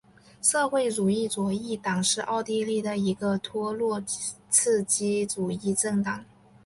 社会主义左翼党是奥地利的一个托洛茨基主义政党。